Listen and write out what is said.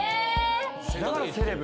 だから「セレブ」